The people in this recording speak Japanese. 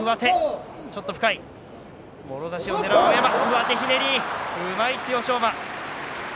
上手ひねりうまい千代翔馬。